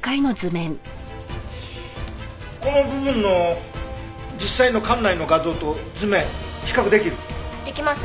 この部分の実際の館内の画像と図面比較できる？できます。